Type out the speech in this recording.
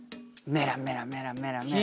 メラメラメラメラメラ。